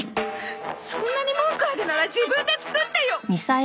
そんなに文句あるなら自分で作ってよ！